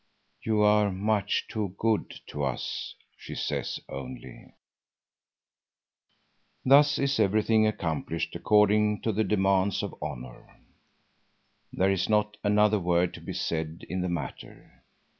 "You are much too good to us," she says only. Thus is everything accomplished according to the demands of honor. There is not another word to be said in the matter.